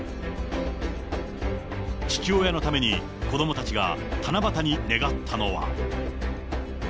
父親のために、子どもたちが七夕に願ったのは。